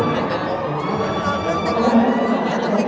หมดเวลาแล้วพร้อมกันวันนี้